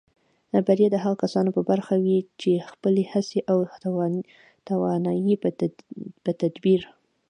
بریا د هغو کسانو په برخه وي چې خپلې هڅې او توانایۍ په تدبیر